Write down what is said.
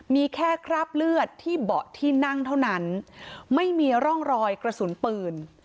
มีแค่คราบเลือดที่เบาะที่นั่งเท่านั้นไม่มีร่องรอยกระสุนปืน